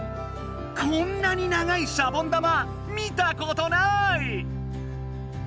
こんなに長いシャボン玉見たことない！